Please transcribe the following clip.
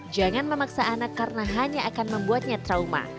jangan memaksa anak karena hanya akan membuatnya trauma